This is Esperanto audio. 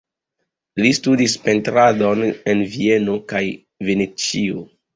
Li studis pentradon en Vieno kaj Venecio.